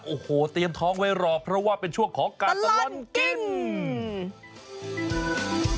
โอ้โหเตรียมท้องไว้รอเพราะว่าเป็นช่วงของการตลอดกิน